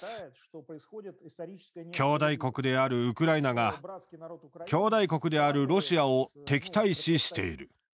兄弟国であるウクライナが兄弟国であるロシアを敵対視している。